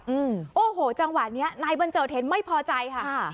อืมโอ้โหจังหวะเนี้ยนายบัญเจิดเห็นไม่พอใจค่ะค่ะ